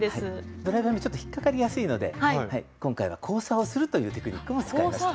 ドライブ編みちょっと引っかかりやすいので今回は交差をするというテクニックも使いました。